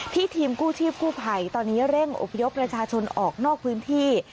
ทีมกู้ชีพกู้ภัยตอนนี้เร่งอบพยพประชาชนออกนอกพื้นที่